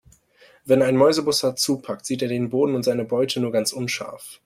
Wenn ein Mäusebussard zupackt, sieht er den Boden und seine Beute nur ganz unscharf.